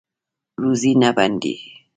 روزي نه بندیږي